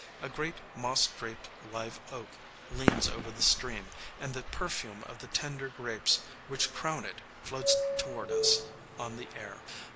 A great moss draped live oak leans over the stream, and the perfume of the tender grapes which crown it floats toward us on the air.